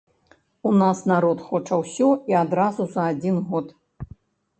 У нас народ хоча ўсё і адразу за адзін год.